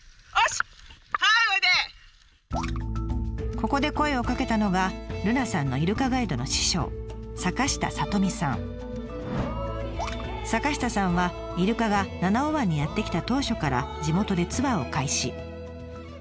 ここで声をかけたのが瑠奈さんのイルカガイドの師匠坂下さんはイルカが七尾湾にやって来た当初から地元でツアーを開始。